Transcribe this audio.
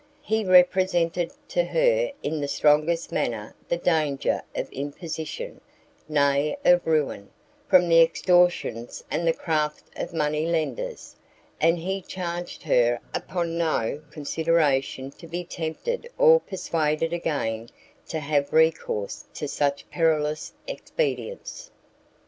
He represented to her in the strongest manner the danger of imposition, nay of ruin, from the extortions and the craft of money lenders; and he charged her upon no consideration to be tempted or persuaded again to have recourse to such perilous expedients.